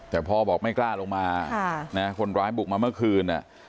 แต่พ่อบอกไม่กล้าลงมาคนร้ายบุกมาเมื่อคืน